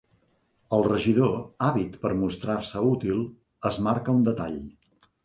El regidor, àvid per mostrar-se útil, es marca un detall.